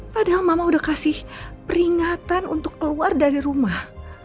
padahal mama udah kasih peringatan untuk keluar dari rumah